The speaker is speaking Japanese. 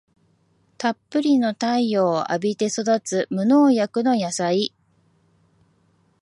たっぷりの太陽を浴びて育つ無農薬の野菜